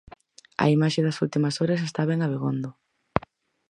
A imaxe das últimas horas estaba en Abegondo.